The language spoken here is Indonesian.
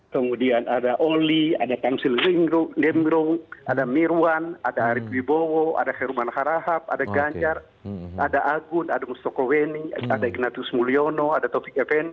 kemudian ada oli ada tamsil niemrung ada mirwan ada arief wibowo ada herumana harahap ada ganjar ada agun ada mustoko weni ada ignatus mulyono ada topik fnd